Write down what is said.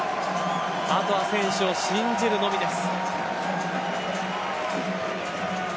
あとは選手を信じるのみです。